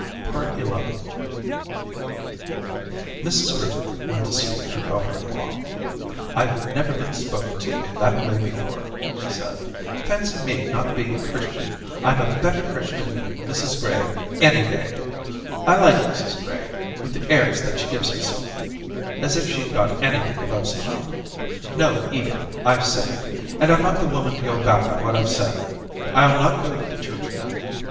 XI Mrs Griffith went to see her daughter in law. ' I Ve never been spoken to in that way before,* she said. 'Fancy me not being a Christian! Tm a better Christian than Mrs Gray, any day. I like Mrs Gray, with the airs she gives herself — as if she'd got any thing to boast about! ... No, Edith, IVe said it, and Tm not the woman to go back on what Tve said — I'll not go to church again.